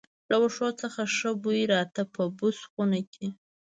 له وښو څخه ښه بوی راته، په بوس خونه کې.